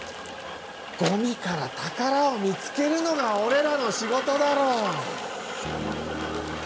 ゴミから宝を見つけるのが俺らの仕事だろう！